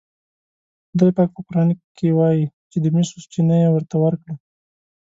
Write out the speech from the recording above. خدای پاک په قرآن کې وایي چې د مسو چینه یې ورته ورکړه.